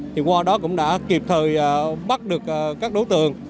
thì qua đó cũng đã kịp thời bắt được các đối tượng